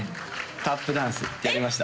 タップダンスやりました